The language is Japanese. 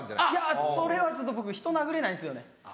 いやそれはちょっと僕人殴れないんですよね。